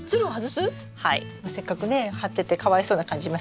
せっかくね張っててかわいそうな感じしますけど大丈夫です。